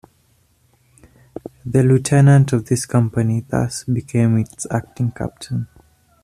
The lieutenant of this company thus became its acting captain.